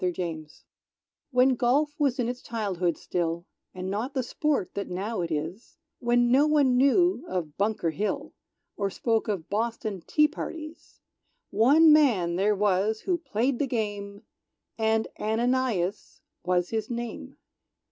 Ananias When Golf was in its childhood still, And not the sport that now it is; When no one knew of Bunker Hill, Or spoke of Boston tee parties; One man there was who played the game, And Ananias was his name.